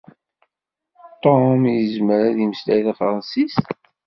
Ṭum, izmer ad imeslay tafṛansis?